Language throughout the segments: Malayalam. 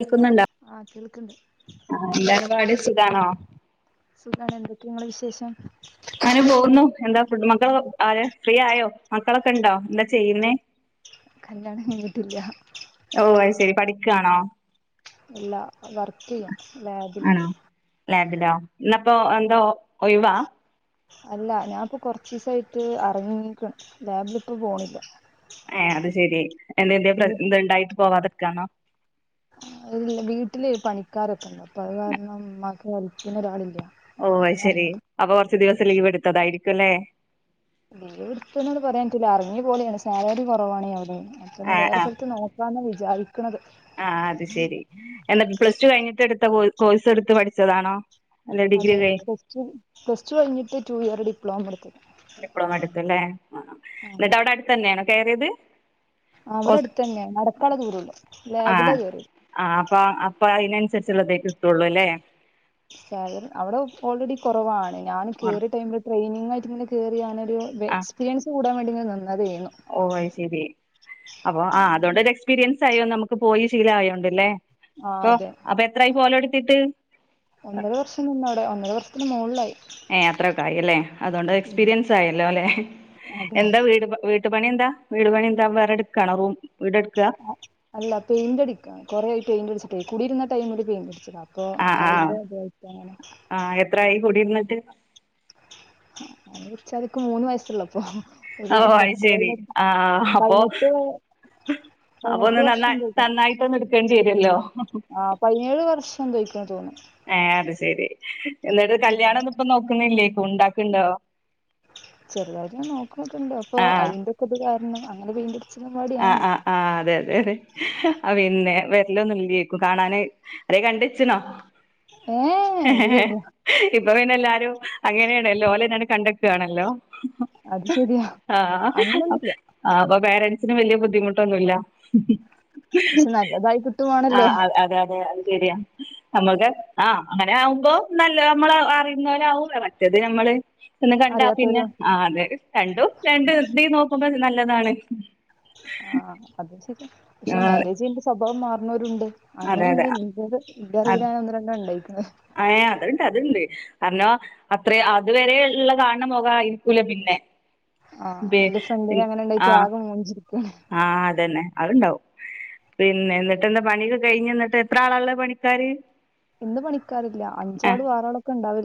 ഹലോ കേൾക്കുന്നുണ്ടോ ആഹ കേൾക്ക്ന്ന്ണ്ട് എന്താണ് പാട് സുഖാണോ? സുഖാണ് എന്തൊക്കെ ഇങ്ങളെ വിശേഷം അങ്ങനെ പോകുന്നു. എന്താ മക്കൾ ഒക്കെ ആയോ? ഫ്രീയായോ? മക്കളൊക്കെ ഇണ്ടോ എന്താ ചെയ്യുന്നേ? കല്യാണം കഴിഞ്ഞിട്ടില്ല ഓ അത്ശരി പഠിക്കാണോ? അല്ല ആണോ, ലാബിലോ ഇന്നപ്പോ എന്താ ഒയ്‌വാ? അല്ല ഞാപ്പൊ കൊറച്ചീസായിട്ട്, അറങ്ങീക്ക്ണ്, ലാബ് ല്‌പ്പൊ പോവല്ല ഏ അത് ശെരി. എന്തെ എന്തെ വീ പ്ര ഇത്ണ്ടായിട്ട് പോവാതിക്കാണോ ഇല്ല, വീട്ടില് പണിക്കാരൊക്കെണ്ട് അപ്പൊ അത് കാരണം മ്മക്ക് പണി ഹെൽപ്പിനൊരാളില്ല ഓ അയ്ശെരി, അപ്പൊ കൊറച്ച് ദിവസം ലീവ് എടുത്തതായിരിക്കുംല്ലേ ലീവ്ട്ത്ത്ണ്ന്ന് പറയാൻ പറ്റൂല, അറങ്ങി പോലേണ്. സാലറി കൊറവാ ണെയ് അവടെയ് അപ്പൊന്ന് ആ വേറെ ആ സ്ഥലത്ത് നോക്കാന്ന് വിചാരി ആ അത് ശെരി, എന്നിട്ട് പ്ലസ് ടു കഴിഞ്ഞിട്ട് എടുത്ത കോഴ് കോഴ് സെടുത്ത് പഠിച്ചതാണോ അല്ല ഡിഗ്രി അതെ കഴി പ്ലസ് ടു പ്ലസ് ടു കഴിഞ്ഞിട്ട് ടു ഇയർ ഡിപ്ലോമ എടുത്ത് ഡിപ്ലോമ എടുത്തല്ലെ, ആഹ, ന്നിട്ട് അവിടെ അടുത്തന്നാണോ കേറിയത് അവിടെ അടുത്ത് തന്നെ നടക്കാനുള്ള ദൂരേയുള്ളൂ ആഹ ലാബിലാ കയറിയത് ആ അപ്പ അപ്പൊ അയ്ന് സരിച്ച്ള്ളതേ കിട്ടൊള്ളു ലെ സാലറി അവിടെ ഓൾറെഡി കുറവാണ്. ഞാൻ കേറിയ ടൈമില് ട്രെനിങ് ആയിട്ട് ഇങ്ങനെ കേറിയാണ് ഒരു വെ ആഹ് എസ്പീരിയൻസ് കൂടാൻ വേണ്ടിങ്ങനെ നിന്ന് ഓ അയ്ശരി അപ്പൊ ആ അതുകൊണ്ടൊരു എക്സ്പീരിയൻസ് ആയോ നമുക്ക് പോയി ശീല ആയോണ്ട്ല്ലേ ആ പ്പം അതെ അപ്പൊ എത്രായി പോവലൊടുത്തിട്ട് ഒന്നര വർഷം നിന്ന അവിടെ, ഒന്നര വർഷത്തിന് മോളിലായി ഏ അത്രൊക്കായി അല്ലേ അതുകൊണ്ട് എക്സ്പീരിയൻസ് ആയല്ലോ ലേ. അതെ എന്താ വീട്പ വീട്ട് പണി എന്താ വീട് പണി എന്താ വേറെ എടുക്കാണ റൂം വീട് എടുക്കുക അല്ല പെയിന്റ് അടിക്കാണ്. കൊറെ ആയി പെയിന്റടിച്ചിട്ടേയ്. കുടിരുന്ന ടൈമില് പെയ്ൻ്റടിച്ചതാ ആ ആഹ ആ എത്രായി കുടിര്ന്നിട്ട് ച്ചത്ക്ക് മൂന്ന് വയസ്സ്ള്ളപ്പൊ ഓ അയ്ശരി. ആഹ് അപ്പൊ പതിനെട്ട് വയ- അപ്പൊ പതിനെട്ട് ഒന്ന് നന്ന നന്നായിട്ടൊന്ന് എട്ക്കേണ്ടി വരുവല്ലോ? ആഹ് പതിനേഴ് വർഷം എന്തോയ്ക്ക തോന്നു ഏ അത് ശെരി. എന്നിട്ട് കല്യാണം ഒന്നും ഇപ്പ നോക്കുന്നില്ലേ? ചെറ്തായിട്ടൊന്ന് നോക്ക്ണൊക്കെ ഇണ്ട്. അപ്പൊ ആഹ് അയിന്റക്കെത് കാ ണ് അങ്ങനെ പെയിന്റടി ആഹ് ആഹ് ആഹ് അതെ അതെ അതെ ആ പിന്നെ വെരലൊന്നും ഇല്ലേക്കും കാണാന്. ആരെയും കണ്ട് വെച്ചിനോ? ഏ ഇല്ല ഇല്ല ഇപ്പൊ പിന്നെ എല്ലാരും അങ്ങനെയാണല്ലോ? ഓലന്നെങ്ങട് കണ്ടെക്ക്വാണല്ലോ? അത് ശരിയാ ആഹ് അങ്ങനൊന്നുല്ല അതൊക് പാരന്റ്സിന് വലിയ ബുദ്ധിമുട്ടൊന്നുല്ല പക്ഷെ നല്ലതായി ആ കിട്ടുവാണല്ലോ അ അതെ അതെ അ ശെരിയാ. നമ്മുക്ക് ആ അങ്ങനെ ആവ്മ്പോ നല്ല നമ്മള് അറിയുന്നവരാവു. മറ്റത് നമ്മൾ ത് പിന്നെ കണ്ടാ പിന്നെ. അറിയാത്തോരും ആ അതെ. രണ്ടു രണ്ടും ഇത് നോക്കുമ്പോ നല്ലതാണ്. ആ അത ശ പക്ഷെ ആഹ് മാരേജ്ന്റെ സ്വഭാവം മാറുന്നവരുണ്ട് അങ്ങനെ അതെ ഇണ്ട്. അതെ ഇന്റൊരു ഇന്റെ അറിവില് ഒന്ന് രണ്ട് ഇണ്ടായിക്ക്ണ്. ഏഹ് അത്ണ്ട് അത്ണ്ട്. കാരണം അത്ര അതുവരെ ഇള്ള കാണണ മൊഖായിരിക്കൂല പിന്നെ. ആഹ് എന്റെ ഫ്രണ്ടിന് അങ്ങനെണ്ടായിട്ട് ആഹ് ആകെ മൂഞ്ചിരി ആഹ് അതന്നെ അത്ണ്ടാവും. പിന്നെ എന്നിട്ട് എന്താ പണിയൊക്കെ കഴിഞ്ഞോ എന്നിട്ട്? എത്ര ആളാള്ളെ പണിക്കാര്? ഇന്ന് പണിക്കാറില്ല. അഞ്ചാളും ആറാളും ഒക്കെ ഇണ്ടാവു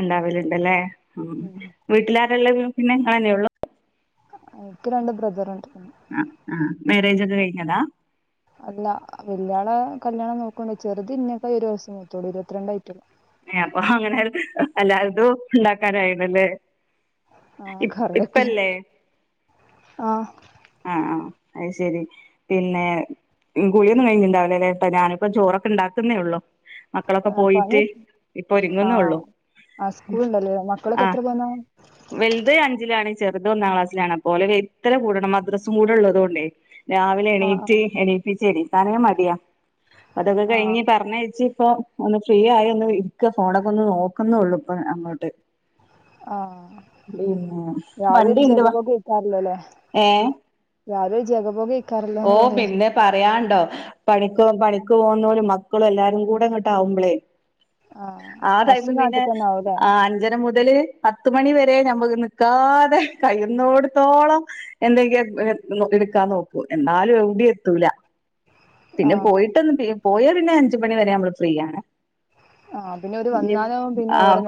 ഇണ്ടാവല്ണ്ടല്ലേ? ഉം. വീട്ടിലാരാള്ളെ പിന്നെ ഇങ്ങളന്നയേ ഉള്ളു? ഈഹ് ഇക്കി രണ്ട് ബ്രദറ്ണ്ട്. മാര്യേജ് ഒക്കെ കഴിഞ്ഞതാ? അല്ല. വല്ല്യാള കല്യാണം നോക്ക്ണ്ട്. ചെറ്ത് ഇന്നേക്കാൾ ഒരു വയസ്സിന് മൂത്തയേ ഉള്ളു. ഇരുപത്തിരണ്ടായിട്ടില്ല. ഏഹ് അപ്പൊ അങ്ങനെ അല്ലാതും ഇണ്ടാക്കാനായിണല്ലേ? ആ ഇപ് കറിയൊക്കെ ഇപ്പല്ലേ? ആ ആഹ് ആ അത് ശെരി. പിന്നെ ഗുളിയൊന്നും കഴിഞ്ഞിട്ടുണ്ടാവില്ലല്ലേ? ഇപ്പം ഞാനിപ്പം ചോറൊക്കെ ഇണ്ടാക്കുന്നേ ഉള്ളു മക്കളൊക്കെ ആ പണി പോയിട്ട് ഇപ്പൊ ആ ഒര്ങ്ങ്ന്നേ ഉള്ളു ആ സ്കൂളുണ്ടല്ലേ മക്കളൊക്കെ ആ എത്ര പോന്ന വല്ത് അഞ്ചിലാണ്. ചെറ്ത് ഒന്നാം ക്ലാസിലാണ്. അപ്പൊ ഓലെ വെയ്ത്തിലെ കൂടണം മദ്രസും കൂടെ ഇള്ളത്കൊണ്ടേ. രാവിലെ ആ എണീറ്റ് എണീപ്പിച്ച് എണീക്കാനേ മടിയാ. അതൊക്കെ ആ ആ കഴിഞ്ഞ് പറഞ്ഞയച്ച് ഇപ്പൊ ഒന്ന് ഫ്രീ ആയി ഒന്ന് ഇരിക്കാ. ഫോണൊക്കെ ഒന്ന് നോക്കുന്നുള്ളു ഇപ്പൊ അങ്ങോട്ട് ആഹ്. പിന്നെ രാവിലെയൊരു വണ്ടിണ്ട് വ ജഗപൊഗ ഏയ്ക്കാറുല്ലല്ലേ? ഏ രാവിലെയൊരു ജഗപൊഗ ഏയ്ക്കാറില്ലാന്ന് പറയാ പറയാന്ണ്ടോ? പണിക്കോ പണിക്ക് പോന്നവരും മക്കളും എല്ലാരും കൂടെ അങ്ങട്ട് ആവ്മ്പളേ ആ ടൈമ് ഹസ് പിന്നെ, നാട്ടിൽ തന്നെ ആവൂല്ലേ ആ അഞ്ചര മുതല് പത്ത് മണി വരെ ഞമ്മക്ക് നിക്കാതെ കയ്യ്ന്നോടത്തോളം എന്തെങ്കിലൊ എട്ക്കാൻ നോക്കു. എന്നാലും എവിടെയു എത്തൂല. ആ പിന്നെ പോയിട്ടൊന്ന് പി പോയാപിന്നെ അഞ്ച് മണി വരെ നമ്മള് ഫ്രീയാണ് ആ പിന്നെ ഒരു വന്നാലും പിന്നെ ഓരോ ആഹ്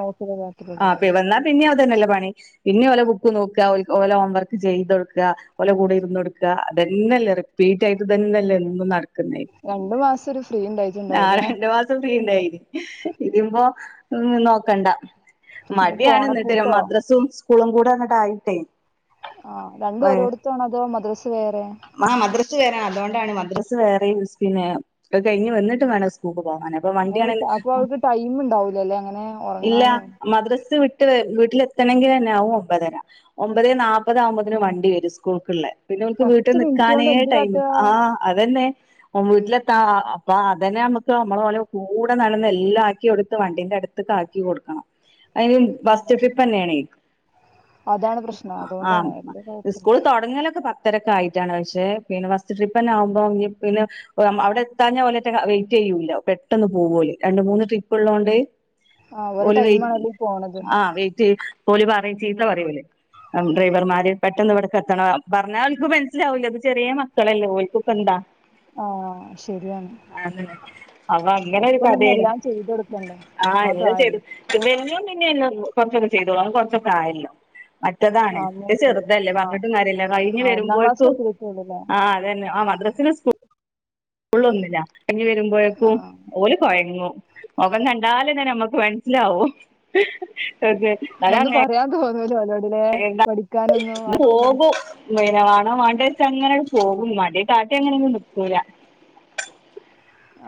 ആപ്പീ നോക്കിലാക്കിട്ടുള്ളൂല്ലേ വന്നാ പിന്നെ അതന്നല്ലേ പണി. പിന്നെ ഓലെ ബുക്ക് നോക്ക്വാ, ഓല ഹോം വർക്ക് ചെയ്തൊട്ക്ക്വാ ഓലെ കൂടെ ഇര്ന്നൊട്ക്ക്വാ. അതന്നെയല്ലേ റിപ്പീറ്റായിട്ട് ഇതന്നല്ലേ എന്നും നടക് ക്ക്ന്നെ. രണ്ടു മാസം ഒരു ഫ്രീ ആ ഉണ്ടായിട്ടുണ്ടാവൂലേ രണ്ട് മാസം ഇണ്ടായിന്. ഇതിപ്പോ നോക്കണ്ട ഇനിയിപ്പോ മടിയാണ് എന്നിട്ട്. ഓണപ്പൂട്ടോ മദ്രസും സ്കൂളും കൂടങ്ങിട്ടായിട്ടേ. ആഹ് രണ്ടും ഓരോട്താണോ അതോ മദ്രസ് വേറെ ആ മദ്രസ് അതുകൊണ്ടാണ് മദ്രസ് വേറെ പിന്നെ അത് കഴിഞ്ഞ് വന്നിട്ട് വേണം സ്കൂ പോകാന് അപ്പോ അങ്ങനെ വണ്ടിയാണെങ്കി ഒരു- അപ്പൊ അവർക്ക് ടൈം ഉണ്ടാവൂലല്ലേ അങ്ങനെ ഇല്ലാ ഉറങ്ങാനും മദ്രസ് വി ട്ട് വീട്ടിലെത്തണമെങ്കിൽ തന്നെ ആകും ഒമ്പതര ഒമ്പതേ നാപ്പത് ആകുമ്പത്തിന് വണ്ടി വരും സ്കൂൾക്കുള്ള. പിന്നെ ഓനിക്ക് വീട്ടിൽ പത്ത് മിനിറ്റ് നിക്കാനേ കൊണ്ട് എന്ത് ടൈമ് കാട്ടുക ആഹ് അതന്നെ ഓൻ വീട്ടിലെത്താ അപ്പോ അതന്നെ നമ്മുക്ക് നമ്മള് ഓലെ കൂടെ നടന്ന് എല്ലാം ആക്കി കൊടുത്ത് വണ്ടീന്റെ അടുത്തക്ക് ആക്കി കൊടുക്കണം. അയിന് ബസ് സ്റ്റോപ്പിൽ ആ തന്നെയാണ് അതാണ് പ്രശ്നം ആഹ് അതുകൊണ്ടാണ് വലിയ സ് കുഴപ്പമില്ല ക്കൂൾ തുടങ്ങിയാലൊക്കെ പ ത്തരൊക്കെ ആയിട്ടാണ് പക്ഷേ പിന്നെ ഫസ്റ്റ് ട്രിപ്പന്നെ ആകുമ്പോ പിന്നെ അവിടെ എത്താഞ്ഞാൽ ഓലാറ്റം വെയിറ്റ് ചെ യ്യൂലാ പെട്ടന്ന് പോവും ഓല് രണ്ട് മൂന്ന് ട്രിപ്പ് ഉള്ളോണ്ട്. ആ ഒരു ഓല് വെ ടൈമാണല്ലോ ഈ പോണത് ആഹ് വെയിറ്റ് ചെ ഓല് പറയും ചീത്ത പറയൂലേ ഡ്രൈവർമാര് പെട്ടെന്ന് ഇവിട ക്കെത്തണം പറഞ്ഞാ ഓൽക്ക് മനസ്സിലാവൂല അത് ചെറിയ മക്കളല്ലേ ഓൽക്കിപ്പോ എന്താ? ആ ശരിയാണ് അതന്നെ അത് അങ്ങനെ ഒരു ഒപ്പം നിന്ന് കഥയാണ്. എല്ലാം ചെയ്ത് കൊടുക്കണ്ടേ ആഹ് ആ എല്ലാം ചെയ്ത് പ്രായല്ലേ [unintelligible] [unintelligible] കുറച്ചൊക്കെ ചെയ്തോളും അവൻ കൊറച്ചൊക്കെ ആയതല്ലേ മറ്റതാണ് ആ മൂത്തല്ലേ ചെറുതല്ലേ ആ [unintelligible] ഞ്ഞിട്ടും കാര്യല്ല കഴിഞ്ഞു ആ ഒന്നാം ക്ലാസ്സിൽ വരുമ്പോഴേക്കും എത്തിയിട്ടുള്ളൂ അല്ലേ ആഹ് അതന്നെ ആഹ് മദ്രസേല് സ്കൂ ള് ഒന്നിലാ കയിഞ്ഞു ആ വരുമ്പോഴേക്കും ഓല് കൊഴങ്ങും. മുഖം കണ്ടാലന്നെ നമ്മക്ക് മനസ്സിലാവും ഓക്കെ ഒന്നും [unintelligible] പറയാൻ തോന്നൂല ഓലോടില്ലേ [unintelligible] പഠിക്കാനൊന്നും ഇത് ആ ടൈമിൽ പോകും. [unintelligible] വാണോ വാണ്ടേ വെച്ച് അങ്ങനെ പോകും മടി കാട്ടി അങ്ങനെ ഒന്നും നിക്കൂല.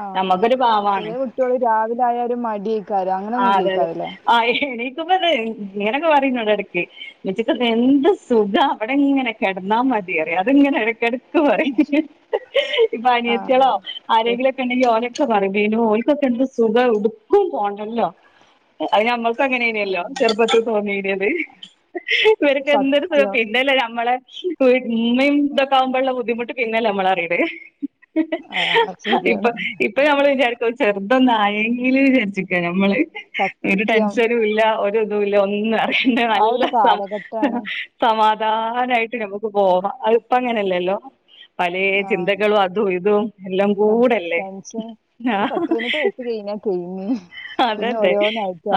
ആഹ് നമ്മക്കൊരു പാവാണ് ചെറിയ കുട്ടികള് രാവിലെ ആയാലും മടിയേക്കാരും ആ അങ്ങനെയൊന്നും അതെ അതെ ഇല്ലേക്കാരല്ലേ? ആ [unintelligible] ഇങ്ങനൊക്കെ പറയുന്നുണ്ട് എട ക്ക് ഉമ്മച്ചിക്ക് എന്ത് സുഖാ അവിടെ ഇങ്ങനെ കിടന്നാ മതിയറിയും അതിങ്ങനെ ഇടക്കെട ക്ക് പറയും ഇപ്പോ ആ അനിയത്തിളോ ആരെങ്കിലൊക്കെ ഉണ്ടെങ്കിൽ ഓരെ ഒക്ക പറിം ബിനോ ഓൽക്കൊക്കെ എന്ത് സുഖാ ഒടുക്കും പോണ്ടല്ലോ അത് ഞമ്മൾക്ക് അങ്ങനേന്യല്ലോ ചെറുപ്പത്തി തോന്നീന്യത് ഇവരൊക്കെ എന്തൊരു സുഖം സത്യം പിന്നല്ലെ ഞമ് മ്മളെ ഇമ്മിം ഇതൊക്കെ ആകുമ്പള്ള ബുദ്ധിമുട്ട് പിന്നല്ലേ നമ്മളറിണത് ആ ശരിയാണ് ഇപ്പം ഇപ്പം ഞമ്മൾ വിചാരിക്കും ചെർ തൊന്നായെങ്കില് വിചാര്ച്ചിക്ക ഞമ്മള്, ഒരു സത്യം ടെൻഷനൂല്ല ഒരിതൂല്ല ഒന്നു അ റ്യണ്ട ആ നല്ല ഒരു സം കാലഘട്ടാണ് സമാ ധാനായിട്ട് ഞമ്മക്ക് പോവാ അത് ഇപ്പ അങ്ങനല്ലല്ലോ. പലേ ആ ചിന്തകളും അതും ഇതും എല്ലം കൂടല്ലേ ടെൻഷൻ ഒരു ആഹ് പത്ത് പതിനെട്ട് വയസ്സ് കഴിഞ്ഞാ പിന്നെ അതെ അതെ,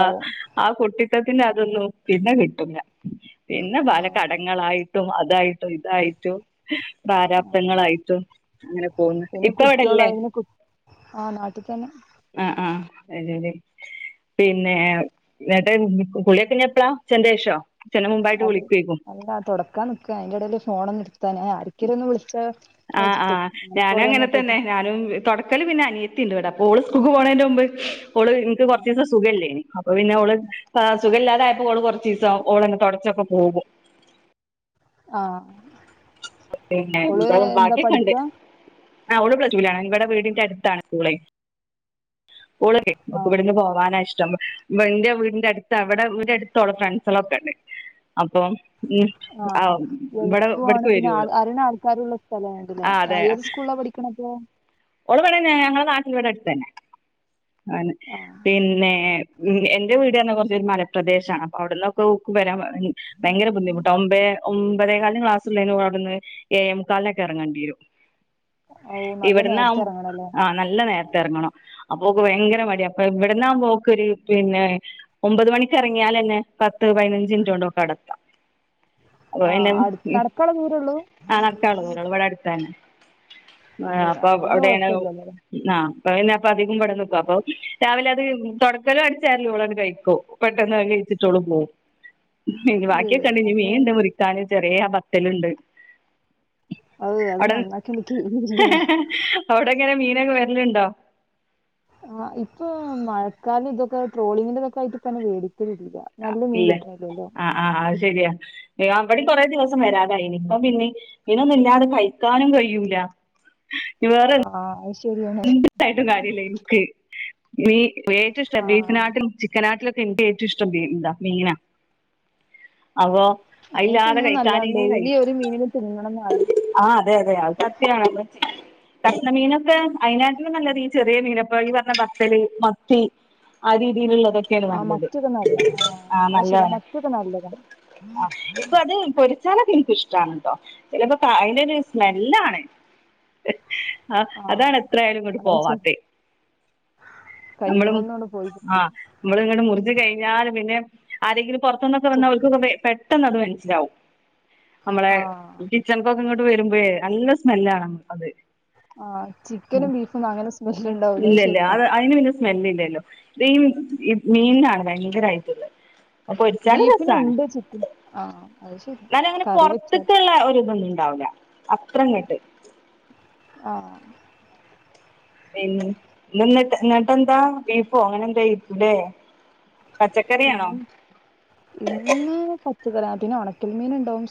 ആഹ് ആഹ് കുട്ടി. പുസ്തകത്തിന്റെ അതൊന്നും പിന്നെ കിട്ടൂല, പിന്നെ ആ പല കടങ്ങളായിട്ടും ഒക്കെ. ഇതായിട്ടും ഇതായിട്ടും. പ്രാരാപ്തങ്ങളായിട്ടും അങ്ങനെ പോകുന്നു ഇപ്പ എവിടെ ഇല്ലേ? ആഹ് നാട്ടിൽ തന്നെ. അത് ശരി, പിന്നെ നേട്ടന്‍ കുളിയൊക്കെ ഇനി എപ്പഴാ, ഉച്ചന്റെ ശേഷമോ? അത് അല്ല തുടക്കാൻ നിക്കാ അയിന്റെ ഇടയില് ഫോൺ ഒന്ന് എടുത്താനേ, ആരെങ്കിലും ഒന്ന് വിളിച്ചാലോ? ആഹ് ആഹ്, ഞാനും അങ്ങനെ തന്നെ ഞാനും തുടക്കല് പിന്നെ അനിയത്തി. ത്തിയുണ്ട് ഇവിടെ ഓള് സ്കൂളിലേക്ക് പോണത്തിന്റെ മുമ്പ്, ഓള് എനിക്ക് കുറച്ച് ദിവസം സുഖയില്ലായിരുന്നീ അപ്പ പിന്നെ അവള് ക്ലാസ്സ്‌. സുഖമില്ലാതെ ആയിപ്പോ ഓള് കൊറച്ച് ദിവസം ഓള് അങ്ങ് തുടച്ചപ്പോ പോകും. ആഹ് അപ്പൊ പിന്നെ എന്തോ ബാക്കിയൊക്കെ ഉണ്ട്. ആഹ് ഓള് പ്ലസ് ടു വിലാണ് ഇവിടെ വീടിന്റെ അടുത്താണ് സ്കൂള്. ഓളുക്ക് ആ അവൾക്ക് ഇവിടുന്ന് പോവാന് ഇഷ്ടം. എന്റെ വീടിന്റെ അടുത്ത് അവിടെ വടെ അടുത്തുള്ള ഫ്രണ്ട്സള്ള ഒക്കെ ഉണ്ട്. അപ്പൊ ഉം, ആഹ ആ, ഇവിടെ എളുപ്പമാണ്. ഇവിടേക്ക് പിന്നെ വരും ആ ഓള് അറിണ ആൾക്കാരുള്ള സ്ഥല അയതോട് ഏത് സ്കൂളി പഠിക്കണകോ ഒവിണ ഞങ്ങളെ നാട്ടിൽ വടെ അടുത്ത് തന്നെ ആനെ ആ പിന്നെ ഉം എന്റെ വീട് തന്നെ കുറച്ചൊ മലപ്രദേശമാണ്. അപ്പൊ അവിടന്നക്ക വരാൻ ഭയങ്കര ബുദ്ധിമുട്ട് ഒമ്പ ഒമ്പതേ കാലിന് ക്ലാസ് ഉണ്ടായിരുന്നോ അവിടുന്ന് ഏഴേ മുക്കാലിനൊക്കെ ഇറങ്ങേണ്ടി വരും ഓ നല്ല ഇവിടന്ന് നേരത്തെ ആവും എറങ്ങണല്ലേ ആ നല്ല നേരത്തെ ഇറങ്ങണം. അ പോക്ക് ഭയങ്കര മടി അപ്പൊ ഇവിടന്നാ ഒൾക്ക് ഒര് പിന്നെ ഒമ്പത് മണിക്ക് ഇറങ്ങിയാൽന്നെ പത്ത് പതിനഞ്ച് മിനിട്ടോണ്ട് ഒൾക്ക് അവിടെ അടത്താം. അപ്പ ആ അടുത്ത് [unintelligible] നടക്കാനുള്ള ദൂരേ ഉള്ളൂ നടക്കാന്ള്ള ദൂരോള്ളൂ ഇവിടെ അടുത്ത തന്നെ. ആ ഏ അപ്പൊ പിന്നെ അവിടെയാണ് കൊഴപ്പില്ലല്ലോ ആ അപ്പ അധികം ഇവിടെ നിക്കും അപ്പൊ രാവിലെ അത് തുടക്കലോ അടിച്ചാരോല് ഒള് അങ്ങട്ട്കഴിക്കും പെട്ടെന്ന് പണി കഴിച്ചിച്ട്ട് ഒള് പോകും. [inaudible] എ ഏ ബാക്കിയൊക്കെണ്ട് അത് മീന്ണ്ട് മുറിക്കും ചെറിയ ബത്തല്ണ്ട്. അത് അത് അവിടെ നന്നാക്കി എനിക്ക് ആആ അവിടെങ്ങനെ മീനൊക്കെ വരലുണ്ടോ? ആ ഇപ്പൊ മഴക്കാലം ഇതൊക്കെ ട്രോളിങ്ങിന്റെറെതൊക്കെ ആയിട്ട് ഇപ്പൊ [unintelligible] ല്ല നല്ല മീൻ ഇല്ല കിട്ടണല്ലേല്ലോ? ആഹ് ആഹ് അത് ശരിയാ അവിടെ കൊറെേ ദിവസം. വരാതായിനി ഇപ്പ പിന്നെ മീനൊന്നും ഇല്ലാെ കഴിക്കാനും കഴിയൂല. [unintelligible] ആഹ് അ എന്തണ്ടായിട്ടും കാര്യല്ലേ എനിക്ക് നീ ഏറ്റവും ഇഷ്ട ആഹ് ബീഫിനാട്ടിലും ചിക്കനാട്ടിലും എനിക്ക് ഏറ്റവും ഇഷ്ടംഇതാ മീന അപ്പൊ മീൻ അയിലാണ്ടെ തിന്നണ നല്ലാണ് കഴിക്കാനേ കഴി ഡെയിലി ഒരു മീനിനെ തിന്നണംന്ന് നല്ല ആ അതെ അതെ കക്ഷണമീനൊക്കെ അതിനാട്ടിലും നല്ലത് ഈ ചെറിയ മീനൊ പറഞ്ഞ വത്തല് മത്തി ആ രീതിയിലുള്ള അതൊക്കെയാണ് ആഹ് നല്ലത് മത്തിയൊക്കെ നല്ല ആഹ് ആഹ അത് ശരിയാ നല്ലതാണ് മത്തിയൊക്കെ നല്ലതാണ് ആ ഇപ്പൊ അത് പൊരിച്ചാലൊക്കെ എനിക്ക് ഇഷ്ടണട്ടോ ചിലപ്പോ അതിന്റെ ഒരു സ്മെല്ലാണ് ആ അതാണ്. ആഹ് എത്രയാലും ഇങ്ങോട്ട് അത് ശരി പോവാത്ത നമ്മള് കഴിയുമ്പോന്നും അങ്ങട് പോയി ആ കിട്ടൂല നമ്മള് മുറി കഴിഞ്ഞാലുംപിന്നെ ആരെങ്കിലും. പുറത്തുനിന്നൊക്കെ ഛെ വന്നാൽ ഓരു കൊക്കെ പെട്ടെന്ന് അത് മനസ്സിലാവും. നമ്മളെ ആഹ് കിച്ചണക്കൊക്കെ ഇങ്ങോട്ട് വരുമ്പോ നല്ല സ്മെല്ലാ അത്. ആഹ ചിക്കനും ബീഫും അങ്ങനെ സ്മെല് ഉണ്ടാവൂല ശരിയ. സ്മെല്ല ഇല്ലല്ലോ ഇത് മീനിനാണ് ഭയങ്കരയിട്ടുള്ളത്. പോരിച്ചല് രസണ് ബീഫിനുണ്ട് ചിക്കൻ ആഹ് അത് ശരിയാ എന്നാലും അങ്ങനെ കറി വെച്ചാൽ പുറത്ത്ക്കുള്ള ഒരു ഇതൊന്നുംല ണ്ടാവൂല അത്രങ്ങട്ട്. ആഹ പിന്നിട്ട് എന്നിട്ടെന്താ ബീഫോ അങ്ങനെ എന്തായികുലെ. ഉ ഇന്ന് പച്ചക്കറി ഉണക്കൽ മീന ഉണ്ടാവും.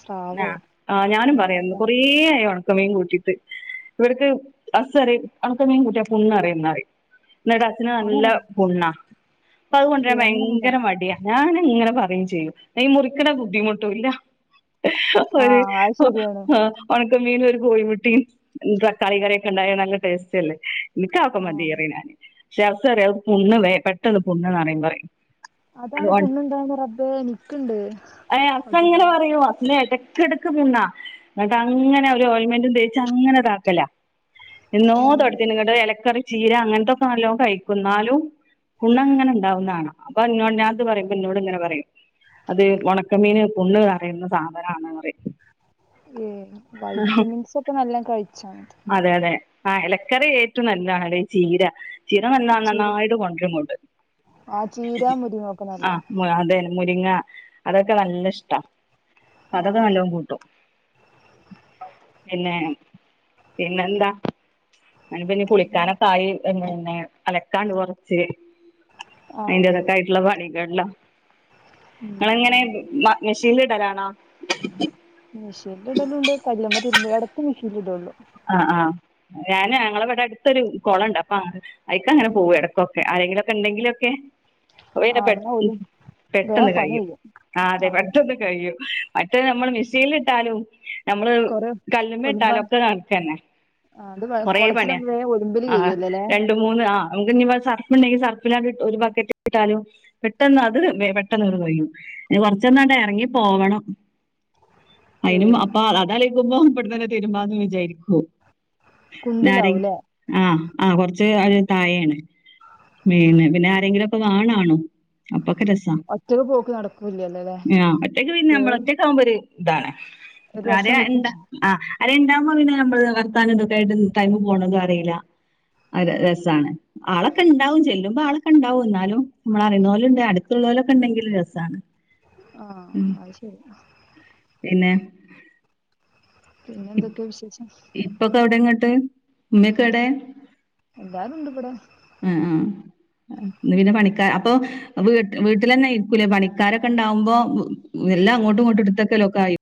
ആ സ്രാവോ ആ് ഞാനും പറയാന്ന് മാന്തള് കൊറേയാണ് ക്കമീൻ കൂട്ടിയിട്ട് ഇവർക്ക് ഹസ് പറയും ഒണക്കമീൻ കൂട്ടിയ പുണ്ണ് നെറയും ന്ന് പറയും എന്നട്ട് ഹസിന് നല്ല അങ്ങനുണ്ടോ പുണ്ണാ അപ്പൊ അതുകൊണ്ടരാൻ ഏ അങ്ങനുണ്ടോ ഭയങ്കര മടിയാ ഞാൻ ഇങ്ങനെ പറയുകയും ചെയ്യൂ ന മുറിക്കണെ ബുദ്ധിമുട്ടുംല്ല അ ഒരു ആഹ് അത് ശരിയാണ് ആ ക്ക മീനും ഒരു കോഴിമുട്ടിയും തക്കാളി കറിയൊക്കെ ഉണ്ടായ നല്ല ടേസ്റ്റ് അല്ലേ നിക്ക് ആക്കെ മതി ആഹ് പറയും ഞൻ പക്ഷെ ഹസ് പറയും അത് പുണ്േ പെട്ടെന്ന് പണ്ണന്ന്റിയ പറയും അതാണ് പുണ്ണ് ഉണ്ടാവുന്നേ റബ്ബെ നിക്കുണ്ട് ഇല്ല ഏതക്കിടക്ക് പിന്നാ എന്നിട്ട് അങ്ങനെ ഒരു ഓൽമെന്റും തേച്ച് അങ്ങനെ ഇതാക്കല എന്നോ തൊടുത്തി നിങ്ങട്ട് ഇലക്കറി ചീര അങ്ങനത്തെൊക്കെ നല്ലോണം കഴിക്കും ന്നാലും കൂണങ്ങനെ ഉണ്ടാവുന്നതാണ് [unintelligible] ഞാത് പറയുമ്പ എന്നോട് ഇങ്ങനെ പറയും. അത് ഉണക്കമീന് [unintelligible] കറയുന്ന [unintelligible] ഏ വൈറ്റമിൻസ് ഒക്കെ നല്ല കഴിച്ച അതെ അതെ ആ ഇലക്കറി ഏറ്റവും നല്ലതാണെടെ ചീര ചീര നല്ല ചീര നന്നായിട്ട് കൊണ്ടരന്നൊണ്ട് ആ ചീര മുരിങ്ങൊക്കെ ആ നല്ലതാ അതെനു മുരിങ്ങ അതൊക്കെ നല്ല ഇഷ്ടാ. അതൊക്കെ ആഹ് നല്ലവും കൂട്ടും പിന്നെ പിന്നെ എന്താ [unintelligible] പിന്നെ അലക്കാണ്ട് കുറച്ച് ആഹ് അതിന്റകത്തായിട്ടുള്ള പണികല്ലാം നിങ്ങളെങ്ങനെ ഉം മ മെഷീനിലിടലാണോ? മെഷീനിടലുണ്ട് കല്ലിമ്മേ തിരുമ്പിയെടുത്തു മെഷീനിടലുള്ളു. അഹ് അഹ് ഞാന് ഞങ്ങടിവിടടുത്തൊരു കൊളോണ്ട് അപ്പൊ അയിക്ക അങ്ങനെ പോക ഇടക്കൊക്കെ എന്തങ്കിലൊക്കെ ഉണ്ടെങ്കിലൊക്കെ ജോലിയൊക്കെ ആഹ് പെ എന്നാ ഒലും വേം പെട്ടെന്ന് പണി കഴിയും. കയ്യും ആ അതെ ആഹ് പെട്ടന്ന് കഴിയും മറ്റേ നമ്മൾ മിസ്യനിലിട്ടാലും നമ്മള് കൊറേ കല്ലുമ്മേ ഒലുമ്പാൻ ഇട്ടാലൊക്കെ നന ആഹ് അത് കുറെ പണിയാ കൊളത്തിലാവുമ്പോ വേം ഒലുമ്പല് അഹ് കഴിയുവല്ലോല്ലേ രണ്ടു മൂന്ന് ആഹ് നമുക്ക് ഇങ്ങ സർഫുണ്ടെങ്കി സർഫിനാത്ത് ഒരു ബക്കറ്റ് ഇട്ടാലും പെട്ടെന്ന് അത് പെട്ടെന്നങ്ങട് കഴിയും കുറച്ചെങ്ങാണ്ട ഇറങ്ങിപ്പോവണം [inaudible] ഏ അതിനും അപ്പൊ അതാലോചിക്കുമ്പോ ബിടുന്നു തന്നെ തരുമാന്ന് വിചാരിക്കും. [unintelligible] കുണ്ടിലാവൂല്ലേ ആഹ് ആഹ് കൊറച്ച് ഒരു തായെയാണ് മീന് പിന്നെ ആരെങ്കിലും ഒക്കൊ വാണാണോ? അപ്പൊക്കെ രസാ, ഒറ്റക്ക് പോക്ക് നടക്കൂല്ലല്ലോല്ലേ ആ ഒറ്റക്ക് പിന്നെ വേ നമ്മളൊറ്റക്കാകുമ്പോര് ഇതാണ് ഒരു വരെ രസം എന്താ കിട്ടും ആഹ് അരെ ഉണ്ടാവുമ്പോ പിന്നെ നമ്മള് വർത്താനോം ഇതൊക്കെ ആയിട്ട് ടൈമ് പോണതും അറിയില്ല ആ ആഹ് രസാണ് ആളൊക്കെ ഉണ്ടാവും ചെല് മ്പോ ആൾക്കെ ഉണ്ടാവും എന്നാലും, നമ്മളറിയുന്ന പോലുണ്ട് അടുത്തുള്ള പോലൊക്കെ ഉണ്ടെങ്കിൽ രസമാണ്. ആഹ് അത് ശരി പിന്നെ പിന്നെ ഇ- എന്തൊക്കെയാ വിശേശം? ഇപ്പൊക്കെ എവിടെ ഇങ്ങോട്ട്? ഉമ്മക്കെ ഏടെ? എല്ലാരും ഉണ്ട് ഇവിടെ ആ ആ പിന്നെന്താ പണിക്കാ അപ്പൊ വീട്ട് വീട്ടിലന്നെ ഇയിക്കൂലേ പണിക്കാരൊക്കെ ഉണ്ടാവുമ്പോ എല്ലാം അങ്ങോട്ടും ഇങ്ങോട്ടും എടുത്തൊക്കെലൊക്കെ ആയി.